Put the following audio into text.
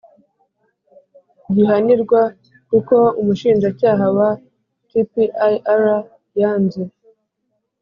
gihanirwa, kuko umushinjacyaha wa tpir yanze